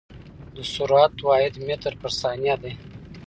د سرعت واحد متر پر ثانیه دی.